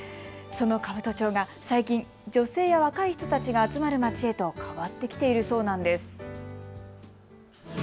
その兜町が最近、女性や若い人たちが集まる街へと変わってきているそうなんです。